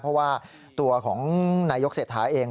เพราะว่าตัวของนายกเศรษฐาเอง